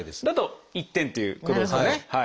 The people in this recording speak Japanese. だと１点ということですかね。